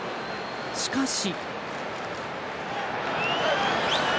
しかし。